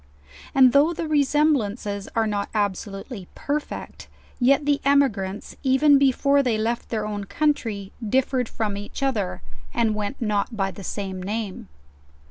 And though the resemblances are not absolutely perfect, yet the emi grants, even before they left their own country, dilTered from each other, and went not by the same name.